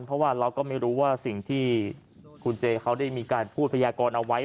เพราะว่าเราก็ไม่รู้ว่าสิ่งที่คุณเจเขาได้มีการพูดพยากรเอาไว้